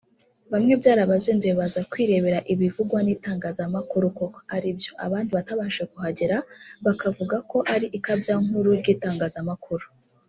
Bamwe byarabazinduye baza kwirebera ibivugwa n’itangazamakuru koko aribyo abandi batabashije kuhagera bakavuga ko ari ikabyankuru ry’itangazamakuru